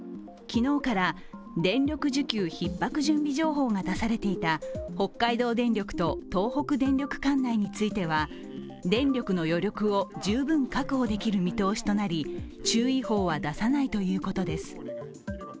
昨日から電力需給ひっ迫準備情報が出されていた北海道電力と東北電力管内については、電力の余力を十分確保できる見通しとなり、注意報は出さないということです。